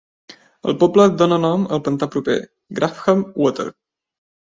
El poble dóna nom al pantà proper, Grafham Water.